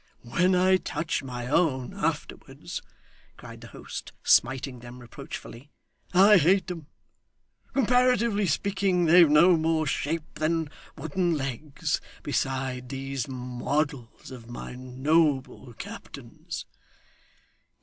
'When I touch my own afterwards,' cried the host, smiting them reproachfully, 'I hate 'em. Comparatively speaking, they've no more shape than wooden legs, beside these models of my noble captain's.